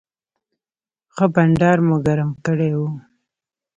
ښه بنډار مو ګرم کړی و.